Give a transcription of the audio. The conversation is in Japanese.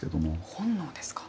本能ですか。